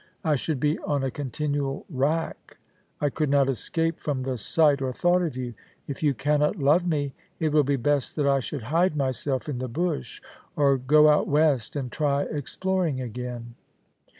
I should be on a continual rack. I could not escape from the sight or thought of you. If you cannot love me, it will be best that I should hide myself in the bush, or go out west and try exploring again.'